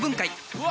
うわ！